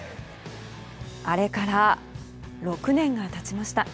あれから６年が経ちました。